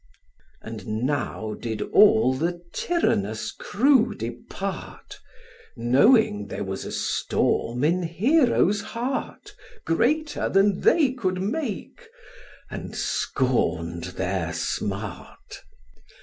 And now did all the tyrannous crew depart, Knowing there was a storm in Hero's heart, Greater than they could make, and scorn'd their smart.